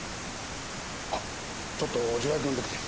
あっちょっと助役呼んできて。